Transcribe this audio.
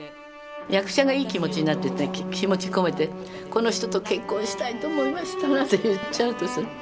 役者がいい気持ちになって気持ち込めて「この人と結婚したいと思いました」なんて言っちゃうとさ